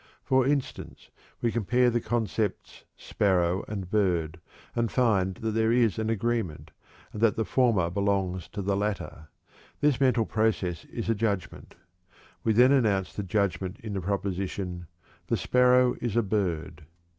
For instance, we compare the concepts "sparrow" and "bird" and find that there is an agreement, and that the former belongs to the latter; this mental process is a judgment. We then announce the judgment in the proposition: "The sparrow is a bird."